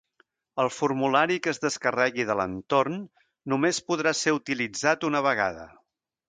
El formulari que es descarregui de l'entorn només podrà ser utilitzat una vegada.